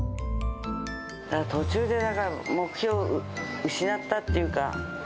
途中でだから目標を失ったっていうか。